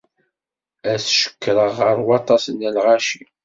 Ad t-cekkreɣ gar waṭas n lɣaci.